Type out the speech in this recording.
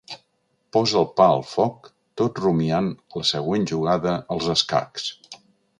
Posa el pa al foc tot rumiant la següent jugada als escacs.